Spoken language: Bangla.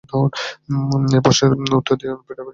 এই প্রশ্নের উত্তরের জন্য আমাকে পীড়াপীড়ি করিও না।